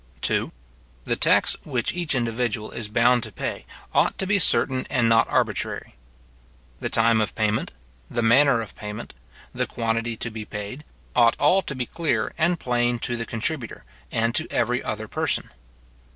2. The tax which each individual is bound to pay, ought to be certain and not arbitrary. The time of payment, the manner of payment, the quantity to be paid, ought all to be clear and plain to the contributor, and to every other person.